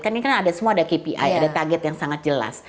kan ini kan ada semua ada kpi ada target yang sangat jelas